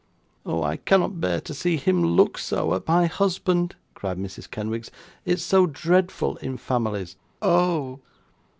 'Oh! I cannot bear to see him look so, at my husband,' cried Mrs Kenwigs. 'It's so dreadful in families. Oh!